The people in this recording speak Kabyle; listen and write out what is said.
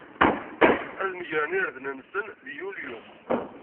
Ad megren irden-nsen deg Yulyu.